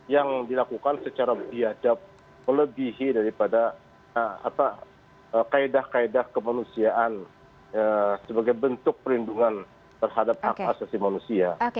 yang dilakukan secara biadab melebihi daripada kaedah kaedah kemanusiaan sebagai bentuk perlindungan terhadap hak asasi manusia